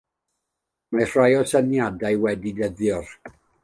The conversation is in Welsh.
Mae rhai o'i syniadau wedi dyddio.